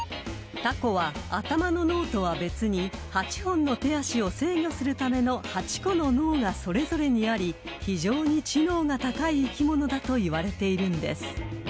［タコは頭の脳とは別に８本の手足を制御するための８個の脳がそれぞれにあり非常に知能が高い生き物だといわれているんです］